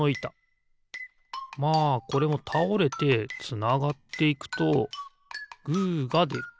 まあこれもたおれてつながっていくとグーがでる。